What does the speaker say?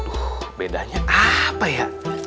tuh bedanya apa ya